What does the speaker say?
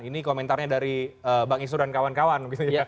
ini komentarnya dari bang isnur dan kawan kawan